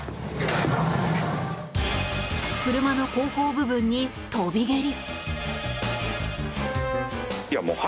車の後方部分に跳び蹴り。